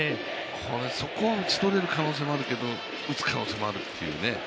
そこを打ち取れる可能性もあるけど、打つ可能性もあるというね。